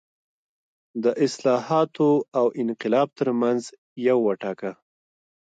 د اصلاحاتو او انقلاب ترمنځ یو وټاکه.